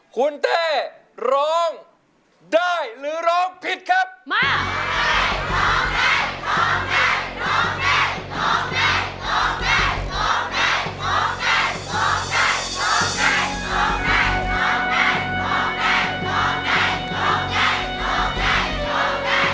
คุณเต้ร้องได้หรือร้องผิดครับมาโค่เต้โค่เต้โค่เต้โค่เต้โค่เต้